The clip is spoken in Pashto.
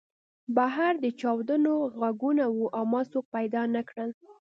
بهر د چاودنو غږونه وو او ما څوک پیدا نه کړل